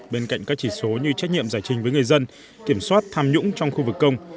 bên cạnh các chỉ số như trách nhiệm giải trình với người dân kiểm soát tham nhũng trong khu vực công